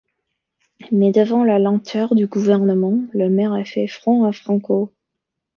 Mais devant la lenteur du gouvernement, le maire a fait front à Franco.